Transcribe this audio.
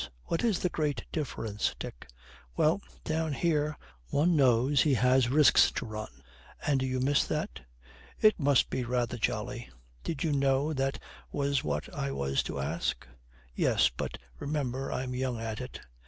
'What is the great difference, Dick?' 'Well, down here one knows he has risks to run.' 'And you miss that?' 'It must be rather jolly.' 'Did you know that was what I was to ask?' 'Yes. But, remember, I'm young at it.'